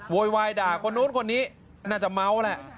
โวยวายด่าคนนู้นคนนี้น่าจะเมาแหละ